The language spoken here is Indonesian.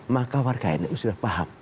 maka warga nu sudah paham